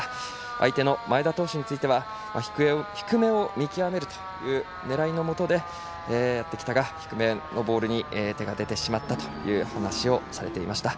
相手の前田投手については低めを見極めるという狙いのもとでやってきたが低めのボールに手が出てしまったという話をされていました。